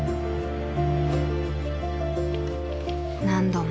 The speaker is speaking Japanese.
何度も。